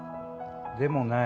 でもない。